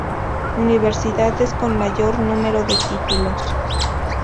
Universidades con mayor número de títulos